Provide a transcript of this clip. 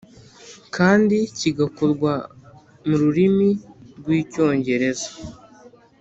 kandi kigakorwa mu rurimi rw Icyongereza